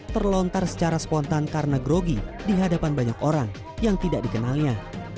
terlontar secara spontan karena grogi di hadapan banyak orang yang tidak dikenalnya